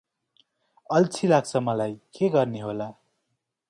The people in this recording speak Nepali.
अल्छी लाग्छ मलाई के गर्ने होला?